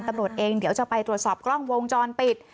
ตำรวจเองเดี๋ยวจะไปตรวจสอบกล้องวงจรปิด